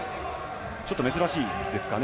ちょっと珍しいですかね。